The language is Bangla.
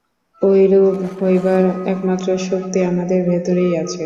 ঐরূপ হইবার একমাত্র শক্তি আমাদের ভিতরেই আছে।